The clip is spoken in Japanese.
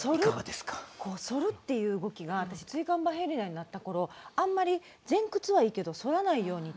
反るという動きが椎間板ヘルニアになったころあんまり前屈はいいけど反らないようにと